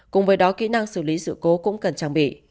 cùng với đó kỹ năng xử lý sự cố cũng cần trang bị